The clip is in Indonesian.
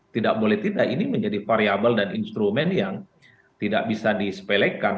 tidak boleh tidak ini menjadi variable dan instrumen yang tidak bisa disepelekan